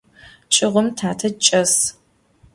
Ççıgım tate çç'es.